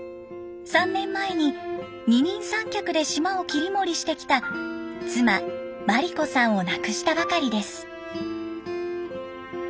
３年前に二人三脚で島を切り盛りしてきた妻眞理子さんを亡くしたばかりです。